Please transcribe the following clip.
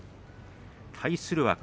対するは輝